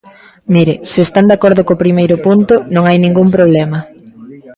Mire, se están de acordo co primeiro punto, non hai ningún problema.